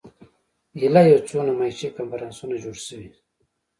ایله یو څو نمایشي کنفرانسونه جوړ شوي.